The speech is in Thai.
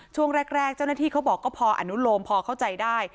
ช่วงแรกเจ้าหน้าที่เขาบอกก็พออนุโลมพอเข้าใจได้